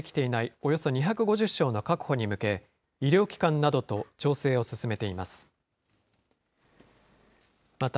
およそ２５０床の確保に向け、医療機関などと調整を進めています。